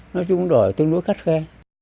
nói chung đổi tương đối khắt khe